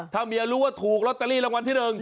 ถ้าเมียรู้ว่าถูกลอตเตอรี่รางวัลที่๑